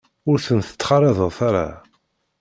Ur tent-ttxalaḍet ara.